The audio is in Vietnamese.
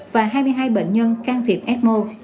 và hai mươi hai bệnh nhân can thiệp em